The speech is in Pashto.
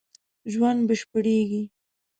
ژوند بشپړېږي